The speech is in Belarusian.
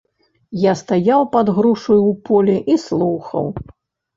Я стаяў пад грушаю ў полі і слухаў.